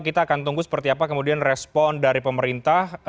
kita akan tunggu seperti apa kemudian respon dari pemerintah